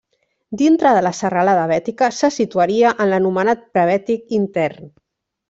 Dintre de la Serralada Bètica, se situaria en l'anomenat Prebètic Intern.